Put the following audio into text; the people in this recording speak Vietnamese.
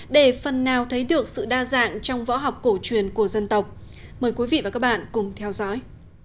để phần nào thấy được sự đa dạng trong võ học cổ truyền của dân tộc mời quý vị và các bạn cùng theo dõi